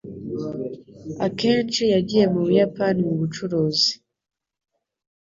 Akenshi yagiye mu Buyapani mu bucuruzi.